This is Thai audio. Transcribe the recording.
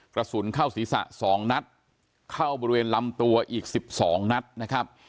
กระสุนเข้าศีรษะ๒นัดเข้าบริเวณลำตัวอีก๑๒นัดนะครับ